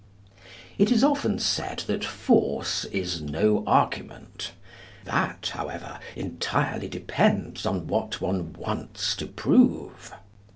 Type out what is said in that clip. It is often said that force is no argument. That, however, entirely depends on what one wants to prove.